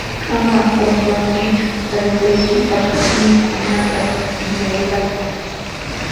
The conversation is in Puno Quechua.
Ama qunqankichu taytaykipaq mikhuna ilaytaqa.